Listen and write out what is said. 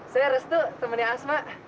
saya restu temennya asma